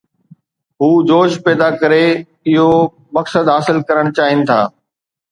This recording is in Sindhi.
هو جوش پيدا ڪري اهو مقصد حاصل ڪرڻ چاهين ٿا.